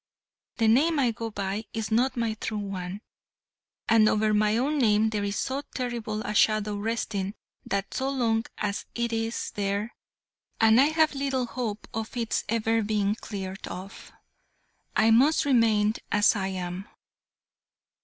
The name I go by is not my true one, and over my own name there is so terrible a shadow resting that so long as it is there and I have little hope of its ever being cleared off I must remain as I am."